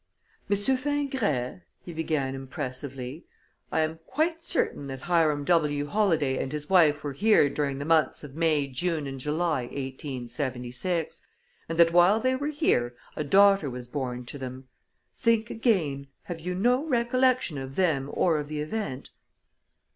"Monsieur Fingret," he began impressively, "I am quite certain that Hiram W. Holladay and his wife were here during the months of May, June, and July, 1876, and that while they were here a daughter was born to them. Think again have you no recollection of them or of the event?"